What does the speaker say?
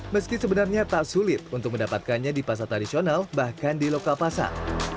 meski sebenarnya tak sulit untuk mendapatkannya di pasar tradisional bahkan di lokal pasar